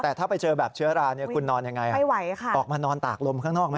แต่ถ้าไปเจอแบบเชื้อราเนี่ยคุณนอนยังไงออกมานอนตากลมข้างนอกไหม